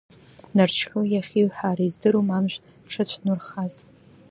Нарџьхьоу иахиҳәаара издыруам амшә дшацәнурхаз.